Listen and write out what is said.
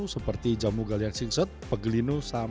seperti jamu galian singset pegelinu saham dan jambu jamu